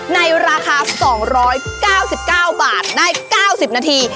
ในราคา๒๙๙บาทได้๙๐นาที